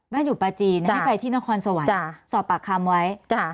บ้านอยู่ปาจีนให้ไปที่นครสวัสดิ์สอบปากคำไว้